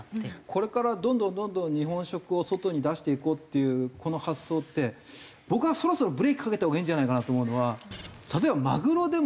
これからどんどんどんどん日本食を外に出していこうっていうこの発想って僕はそろそろブレーキかけたほうがいいんじゃないかなと思うのは例えばマグロでも。